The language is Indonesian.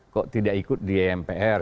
kok tidak ikut di mpr